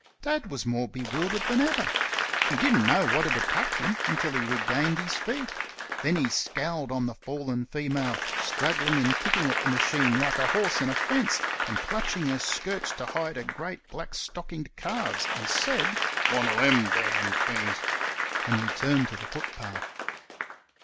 Dad was more bewildered than ever. He didn't know what had attacked him until he regained his feet; then he scowled on the fallen female, struggling and kicking at the machine like a horse in a fence, and clutching her skirts to hide her great, black stockinged calves, and said "One o' them damn things!" and returned to the footpath.